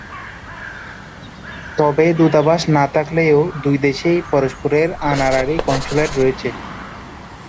তবে দূতাবাস না থাকলেও, দুই দেশেই পরস্পরের অনারারি কনস্যুলেট রয়েছে।